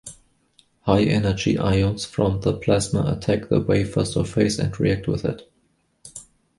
High-energy ions from the plasma attack the wafer surface and react with it.